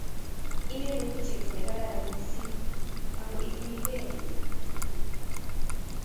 inendet ko chepto ne kararan mising, ako ikilikei.